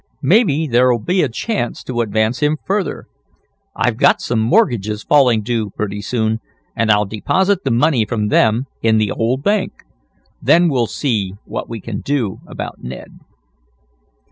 Maybe there'll be a chance to advance him further. I've got some mortgages falling due pretty soon, and I'll deposit the money from them in the old bank. Then we'll see what we can do about Ned."